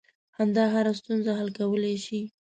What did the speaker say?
• خندا هره ستونزه حل کولی شي.